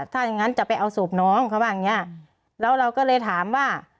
ถ้างั้นจะไปเอาสวบน้องเขาบอกอย่างนี้แล้วเราก็เลยถามว่า